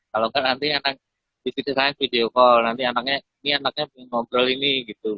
kalau kan nanti anak di video saya video call nanti anaknya ini anaknya mau ngobrol ini gitu